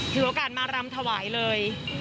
ถือโอกาสมารำถวายเลย